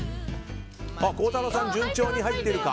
孝太郎さん、順調に入っているか。